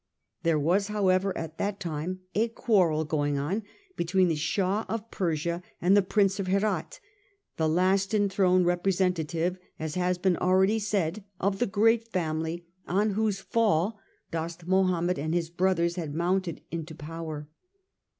There was, however, at that time a quarrel going on between the Shah of Persia and the Prince of Herat, the last en throned representative, as has been already said, of the great family on whose fall Dost Mahomed and his brothers had mounted into power.